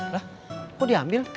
lah kok diambil